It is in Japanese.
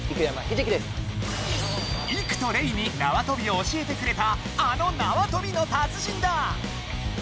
イクとレイになわとびを教えてくれたあのなわとびの達人だ！